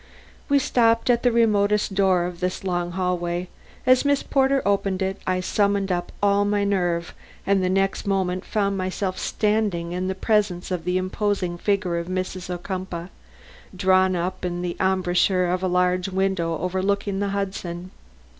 We stopped at the remotest door of this long hall. As Miss Porter opened it I summoned up all my nerve, and the next moment found myself standing in the presence of the imposing figure of Mrs. Ocumpaugh drawn up in the embrasure of a large window overlooking the Hudson.